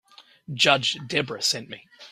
Judge Debra sent me.